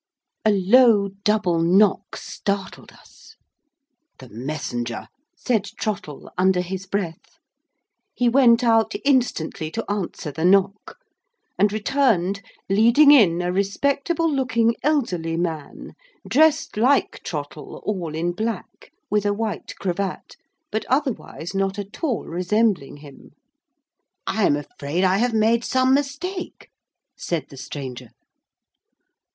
A low, double knock startled us. "The messenger!" said Trottle, under his breath. He went out instantly to answer the knock; and returned, leading in a respectable looking elderly man, dressed like Trottle, all in black, with a white cravat, but otherwise not at all resembling him. "I am afraid I have made some mistake," said the stranger.